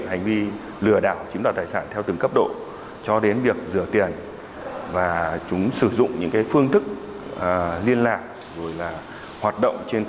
hãy đăng ký kênh để ủng hộ kênh của mình nhé